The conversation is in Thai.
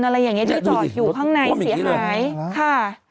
อะไรอย่างนี้ที่จอดอยู่ข้างในเสียหายค่ะ